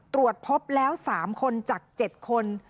ตรวจพบแล้ว๓คนจาก๗คน